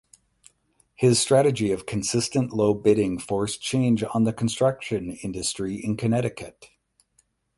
His strategy of consistent low bidding forced change on the construction industry in Connecticut.